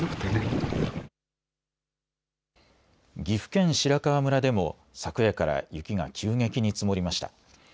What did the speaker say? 岐阜県白川村でも昨夜から雪が急激に積もりました。